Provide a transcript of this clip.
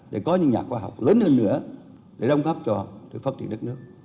để có những nhà khoa học lớn hơn nữa để đồng góp cho phát triển đất nước